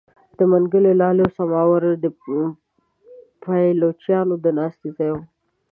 د منګي لالو سماوار د پایلوچانو د ناستې ځای وو.